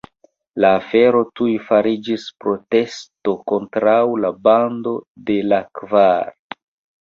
La afero tuj fariĝis protesto kontraŭ la Bando de la Kvar.